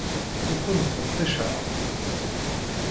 Ur ken-ttfetticeɣ.